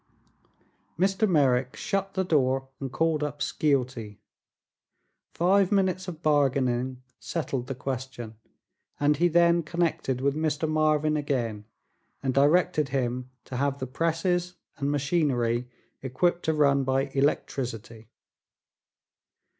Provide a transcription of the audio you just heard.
Mr. Merrick shut the door and called up Skeelty. Five minutes of bargaining settled the question and he then connected with Mr. Marvin again and directed him to have the presses and machinery equipped to run by electricity.